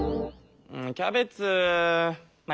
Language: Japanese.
キャベツ。